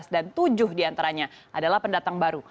dan tujuh diantaranya adalah pendatang baru